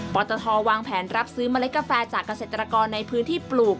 ตทวางแผนรับซื้อเมล็ดกาแฟจากเกษตรกรในพื้นที่ปลูก